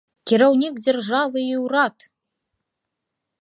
Кіраўнік дзяржавы і ўрад!